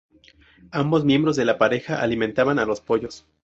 Ambos miembros de la pareja alimentan a los pollos.